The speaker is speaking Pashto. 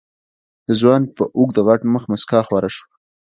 د ځوان په اوږد غټ مخ موسکا خوره شوه.